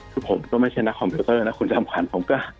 คือผมก็ไม่ใช่นักคอมพิวเตอร์นะคุณจำขวัญผมก็